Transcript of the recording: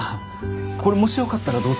これもしよかったらどうぞ。